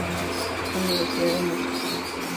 Universidad de Murcia.